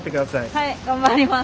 はい頑張ります。